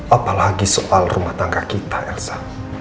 apalagi soal rumah tangga kita elsa